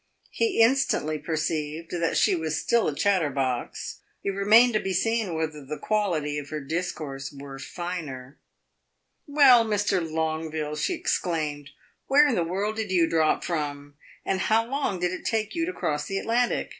He instantly perceived that she was still a chatterbox; it remained to be seen whether the quality of her discourse were finer. "Well, Mr. Longueville," she exclaimed, "where in the world did you drop from, and how long did it take you to cross the Atlantic?